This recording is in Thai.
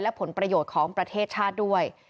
และผลประโยชน์ของประเทศชาติด้วย